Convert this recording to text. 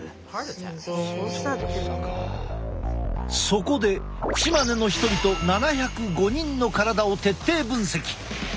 そこでチマネの人々７０５人の体を徹底分析。